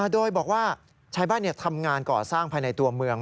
โดยบอกว่าชาวบ้านทำงานก่อสร้างภายในตัวเมือง